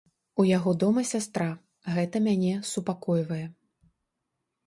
У яго дома сястра, гэта мяне супакойвае.